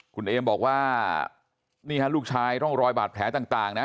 คุณเอมบอกว่านี่ฮะลูกชายร่องรอยบาดแผลต่างนะ